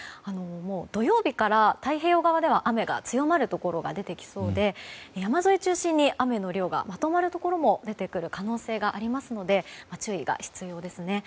土曜日から太平洋側では雨が強まるところが出てきそうで、山沿い中心に雨の量がまとまるところも出てくる可能性がありますので注意が必要ですね。